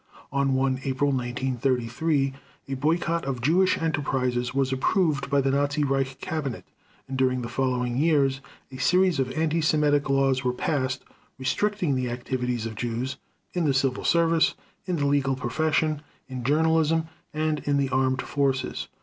On 1 April 1933, a boycott of Jewish enterprises was approved by the Nazi Reich Cabinet, and during the following years a series of anti Semitic laws was passed, restricting the activities of Jews in the civil service, in the legal profession, in journalism and in the armed forces.